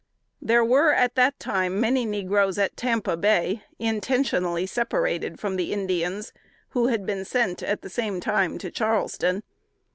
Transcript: There were at that time many negroes at Tampa Bay, intentionally separated from the Indians, who had been sent, at the same time, to Charleston.